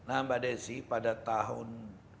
nah mbak desy pada tahun dua ribu enam belas